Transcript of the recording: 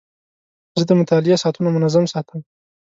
زه د مطالعې ساعتونه منظم ساتم.